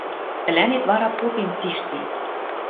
Тӹлӓнет вара попем цишти